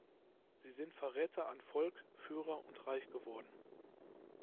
Sie sind Verräter an Volk, Führer und Reich geworden.